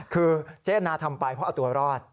คือเจ๊นาทำไปเพราะเอาตัวรอด